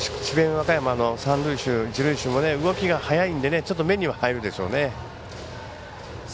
和歌山の三塁手、一塁手も動きが速いんで、ちょっと目には入るでしょうね。